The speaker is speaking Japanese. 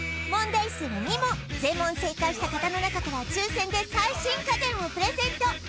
問題数は２問全問正解した方の中から抽選で最新家電をプレゼント